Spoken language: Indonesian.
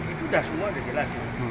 itu sudah semua sudah jelas